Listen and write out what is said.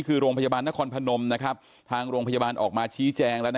คือโรงพยาบาลนครพนมนะครับทางโรงพยาบาลออกมาชี้แจงแล้วนะ